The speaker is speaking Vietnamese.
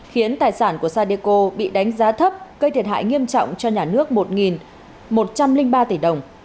khiến tài sản của sadeco bị đánh giá thấp gây thiệt hại nghiêm trọng cho nhà nước một một trăm linh ba tỷ đồng